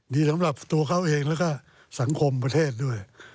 ดีสำหรับตัวเขาเองแล้วก็สังคมประเทศด้วย